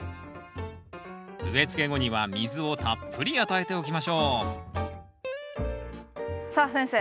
植え付け後には水をたっぷり与えておきましょうさあ先生